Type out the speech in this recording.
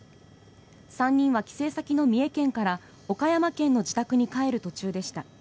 ３人は帰省先の三重県から岡山県の自宅に帰る途中でした。